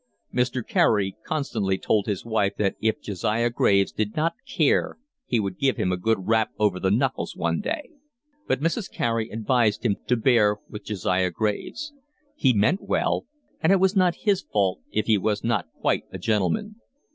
Mr. Carey constantly told his wife that if Josiah Graves did not take care he would give him a good rap over the knuckles one day; but Mrs. Carey advised him to bear with Josiah Graves: he meant well, and it was not his fault if he was not quite a gentleman.